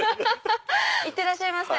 いってらっしゃいませ！